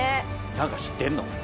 何か知ってんの？